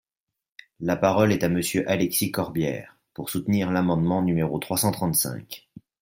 La parole est à Monsieur Alexis Corbière, pour soutenir l’amendement numéro trois cent trente-cinq.